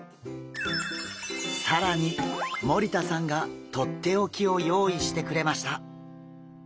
更に森田さんがとっておきを用意してくれました！